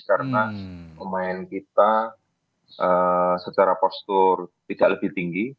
karena pemain kita secara postur tidak lebih tinggi